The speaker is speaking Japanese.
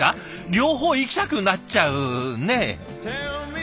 両方いきたくなっちゃうねえ。